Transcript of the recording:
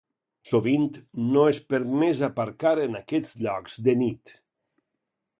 Sovint, no és permès aparcar en aquests llocs de nit.